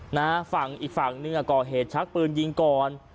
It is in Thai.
หน้าฝั่งอีกฝั่งเคลื่อนก่อกอเหตุชักปืนยิงก่อน